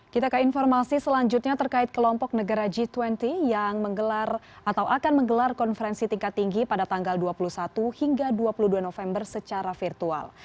kita ke informasi selanjutnya terkait kelompok negara g dua puluh yang menggelar atau akan menggelar konferensi tingkat tinggi pada tanggal dua puluh satu hingga dua puluh dua november secara virtual